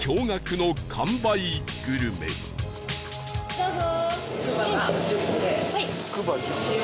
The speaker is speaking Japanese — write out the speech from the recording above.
どうぞ。